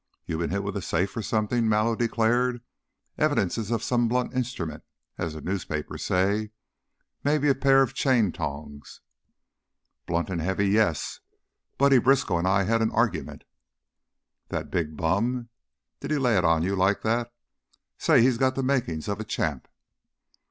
"You've been hit with a safe, or something," Mallow declared. "Evidences of some blunt instrument, as the newspapers say; maybe a pair of chain tongs." "Blunt and heavy, yes. Buddy Briskow and I had an argument " "That big bum? Did he lay it on you like that? Say, he's got the makings of a champ!"